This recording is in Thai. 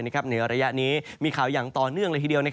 ในระยะนี้มีข่าวอย่างต่อเนื่องเลยทีเดียว